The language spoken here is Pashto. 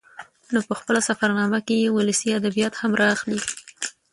نو په خپله سفر نامه کې يې ولسي ادبيات هم راخلي